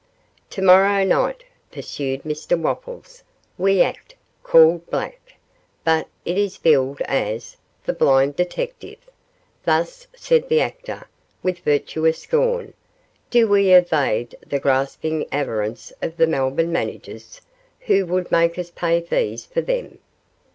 'To morrow night,' pursued Mr Wopples, 'we act "Called Back", but it is billed as "The Blind Detective"; thus,' said the actor, with virtuous scorn, 'do we evade the grasping avarice of the Melbourne managers, who would make us pay fees for them.